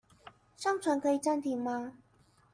上傳可以暫停嗎？